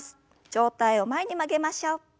上体を前に曲げましょう。